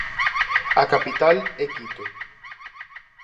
A capital é Quito.